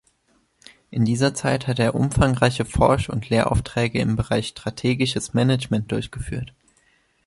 In dieser Zeit hat er umfangreiche Forsch- und Lehraufträge im Bereich Strategisches Management durchgeführt.